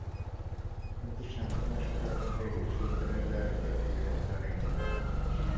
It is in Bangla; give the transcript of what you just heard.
কিন্তু সান্ত্বনা শুধু একটাই—বিশ্ববিদ্যালয়ে যাওয়ার পরে তুই হয়তো অনেক ভালো আছিস।